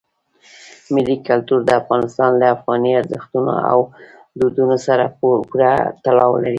ملي کلتور د افغانستان له افغاني ارزښتونو او دودونو سره پوره تړاو لري.